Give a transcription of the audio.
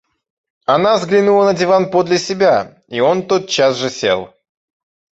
Она взглянула на диван подле себя, и он тотчас же сел.